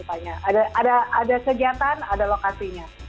ada kegiatan ada lokasinya